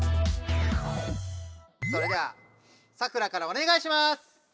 それではサクラからおねがいします！